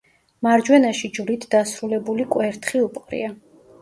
მარჯვენაში ჯვრით დასრულებული კვერთხი უპყრია.